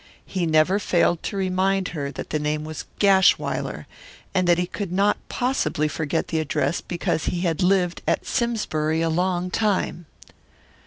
He never failed to remind her that the name was Gashwiler, and that he could not possibly forget the address because he had lived at Simsbury a long time.